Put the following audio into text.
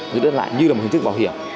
giữ đất lại như là một hình thức bảo hiểm